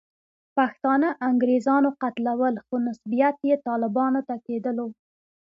پښتانه انګریزانو قتلول، خو نسبیت یې طالبانو ته کېدلو.